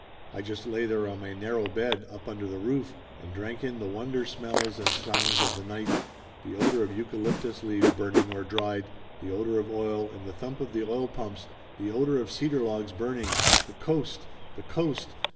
I just lay there on my narrow bed up under the roof, and drank in the wonder smells and sounds of the night; the odor of eucalyptus leaves burning or dried, the odor of oil and the thump of the oil pumps, the odor of cedar logs burning. The Coast! The Coast!